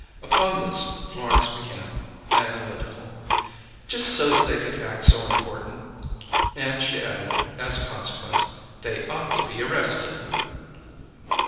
Upon this Florence became analytical. "Just so's they could act so important." And she added, as a consequence, "They ought to be arrested!"